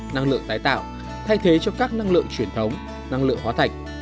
năng lượng tái tạo thay thế cho các năng lượng truyền thống năng lượng hóa thạch